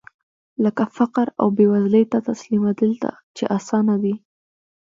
لکه فقر او بېوزلۍ ته تسليمېدل چې اسانه دي.